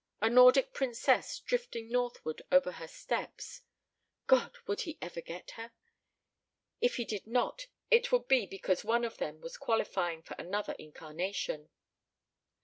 ... A Nordic princess drifting northward over her steppes. ... God! Would he ever get her? ... If he did not it would be because one of them was qualifying for another incarnation.